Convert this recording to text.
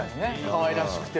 かわいらしくて。